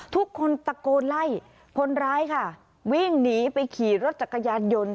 ทุกคนตะโกนไล่คนร้ายค่ะวิ่งหนีไปขี่รถจักรยานยนต์